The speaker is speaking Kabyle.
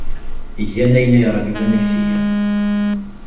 Gan ayen ay ṛeggmen ad ak-t-gen.